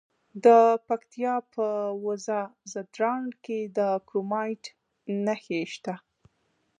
د پکتیا په وزه ځدراڼ کې د کرومایټ نښې شته.